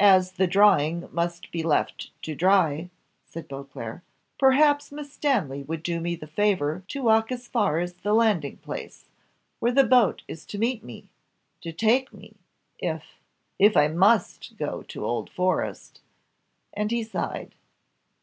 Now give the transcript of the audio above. "As the drawing must be left to dry," said Beauclerc, "perhaps Miss Stanley would do me the favour to walk as far as the landing place, where the boat is to meet me to take me if if I MUST go to Old Forest!" and he sighed.